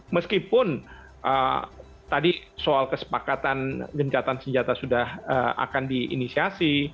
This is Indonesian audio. meskipun tadi soal kesepakatan gencatan senjata sudah akan diinisiasi